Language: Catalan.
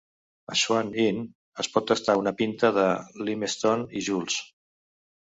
A Swan Inn es pot tastar una pinta de Lymestone i Joules.